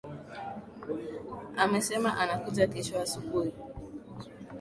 Amesema anakuja kesho asubuhi.